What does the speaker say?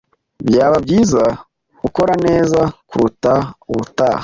Byaba byiza ukora neza kuruta ubutaha.